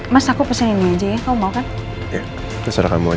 jangan cerita ke andin kalau saya kakaknya roy